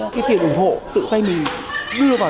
cái tiền ủng hộ tự tay mình đưa vào